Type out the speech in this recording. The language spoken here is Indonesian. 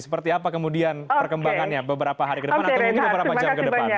seperti apa kemudian perkembangannya beberapa hari ke depan atau mungkin beberapa jam ke depan